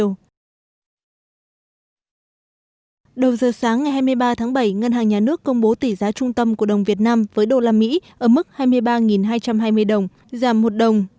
đầu giờ sáng ngày hai mươi ba tháng bảy ngân hàng nhà nước công bố tỷ giá trung tâm của đồng việt nam với đô la mỹ ở mức hai mươi ba hai trăm hai mươi đồng giảm một đồng